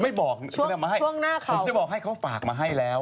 ไม่บอกจะบอกให้เขาฝากมาให้แล้ว